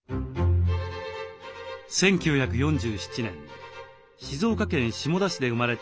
１９４７年静岡県下田市で生まれた栗原はるみさん。